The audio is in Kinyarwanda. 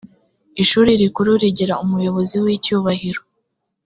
ishuri rikuru rigira umuyobozi w icyubahiro